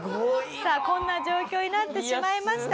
さあこんな状況になってしまいました。